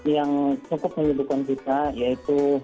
yang cukup menyuguhkan kita yaitu